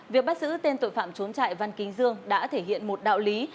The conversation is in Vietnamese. việc bắt giữ tên tội phạm trốn trại văn kính dương đã thể hiện một đạo lý